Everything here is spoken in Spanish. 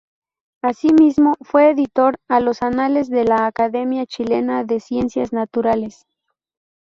Asimismo, fue editor de los Anales de la Academia Chilena de Ciencias Naturales.